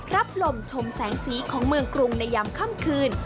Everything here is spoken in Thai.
รับลมชมแสงสีของเมืองกรุงในยามค่ำคืน